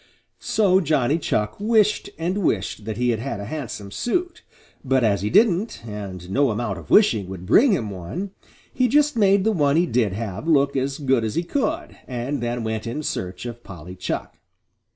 So Johnny Chuck wished and wished that he had a handsome suit, but as he didn't, and no amount of wishing would bring him one, he just made the one he did have look as good as he could, and then went in search of Polly Chuck.